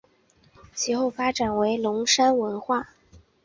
其后发展为龙山文化。